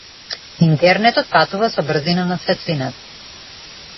Интернетот патува со брзина на светлината.